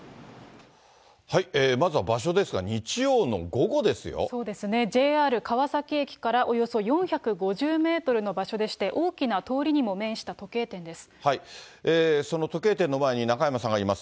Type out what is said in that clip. まずは場所ですが、そうですね、ＪＲ川崎駅からおよそ４５０メートルの場所でして、その時計店の前に中山さんがいます。